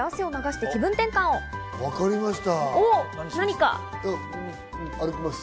分かりました。